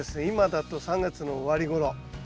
今だと３月の終わりごろ。